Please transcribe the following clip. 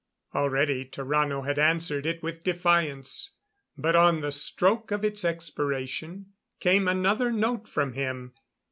Already Tarrano had answered it with defiance. But on the stroke of its expiration, came another note from him.